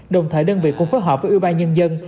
đồng thời đơn vị cũng phối hợp với ưu ba nhân dân